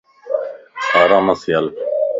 آرام سين ھل